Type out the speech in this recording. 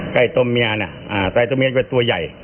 ไก่ตัวเมียเนี่ยอ่าแต่ไก่ตัวเมียเป็นตัวใหญ่